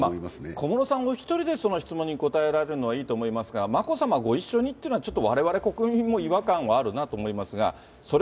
小室さんお１人でその質問に答えられるのはいいと思いますが、眞子さまご一緒にっていうのはちょっとわれわれ国民も違和感はあるなと思いますが。